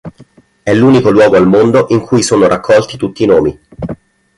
È l'unico luogo al mondo in cui sono raccolti tutti i nomi.